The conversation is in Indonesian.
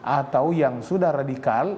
atau yang sudah radikal